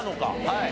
はい。